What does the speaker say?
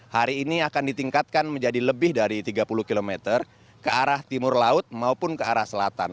hari ini akan ditingkatkan menjadi lebih dari tiga puluh km ke arah timur laut maupun ke arah selatan